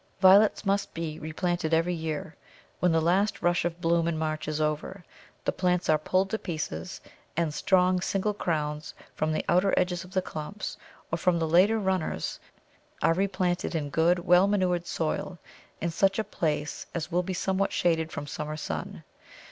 Violets must be replanted every year. When the last rush of bloom in March is over, the plants are pulled to pieces, and strong single crowns from the outer edges of the clumps, or from the later runners, are replanted in good, well manured soil, in such a place as will be somewhat shaded from summer sun.